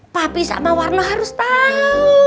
papi sama warno harus tahu